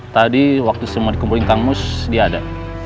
tadi waktu semua dikumpulin kang mus dia ada